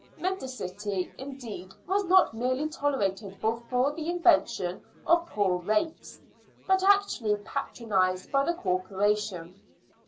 Mendicity, indeed, was not merely tolerated before the invention of poor rates, but actually patronised by the Corporation.